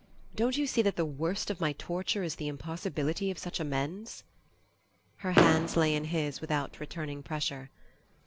Don't you see that the worst of my torture is the impossibility of such amends?" Her hands lay in his without returning pressure.